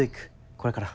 これから。